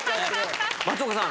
・松岡さん